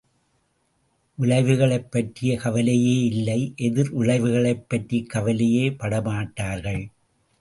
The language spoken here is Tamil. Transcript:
விளைவுகளைப் பற்றிய கவலையே இல்லை எதிர்விளைவுகளைப் பற்றிக் கவலையே படமாட்டார்கள்.